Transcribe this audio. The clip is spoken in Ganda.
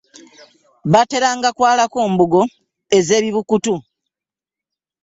Baateranga kwalako mbugo ez'ebibukutu.